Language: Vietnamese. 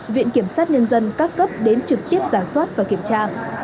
viện kiểm sát nhân dân các cấp đến trực tiếp giả soát và kiểm tra